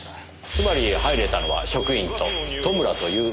つまり入れたのは職員と戸村という経理夫。